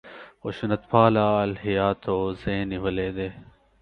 خشونت پاله الهیاتو ځای نیولی دی.